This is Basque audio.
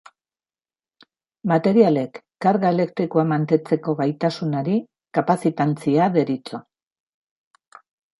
Materialek karga elektrikoa mantentzeko gaitasunari kapazitantzia deritzo.